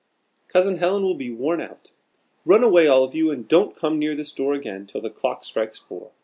"Cousin Helen will be worn out. Run away, all of you, and don't come near this door again till the clock strikes four.